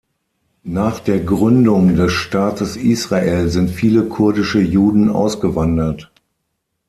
Nach der Gründung des Staates Israel sind viele kurdische Juden ausgewandert.